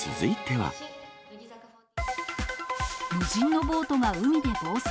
無人のボートが海で暴走。